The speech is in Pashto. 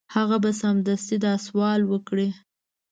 هغه به سمدستي دا سوال وکړي.